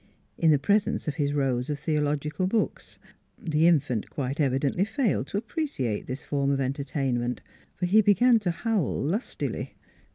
in the presence of his rows of theological books. The infant quite evi dently failed to appreciate this form of enter tainment, for he began to howl lustily.